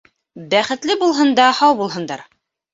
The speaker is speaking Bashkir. Бәхете булһын да һау булһындар.